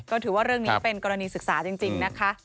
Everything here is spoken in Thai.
ก็ถือว่าเรื่องนี้เป็นกรณีศึกษาจริงนะคะ